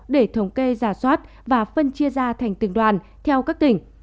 để thống kê giả soát và phân chia ra thành từng đoàn theo các tỉnh